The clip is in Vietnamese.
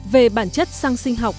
về bản chất xăng sinh học